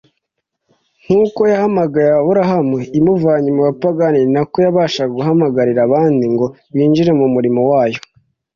Nkuko Yahamagaye Aburahamu imuvanye mu bapagani, ni nako yabashaga guhamagarira abandi ngo binjire mu murimo wayo